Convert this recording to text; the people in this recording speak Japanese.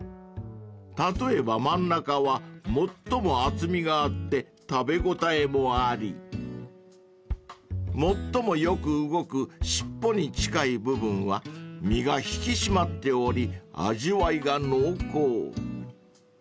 ［例えば真ん中は最も厚みがあって食べ応えもあり最もよく動く尻尾に近い部分は身が引き締まっており味わいが濃厚］